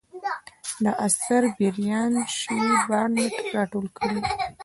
دا اثر بریان سي بارنټ راټول کړی.